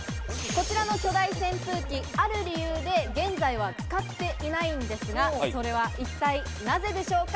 こちらの巨大扇風機、ある理由で現在は使っていないんですがそれは一体なぜでしょうか？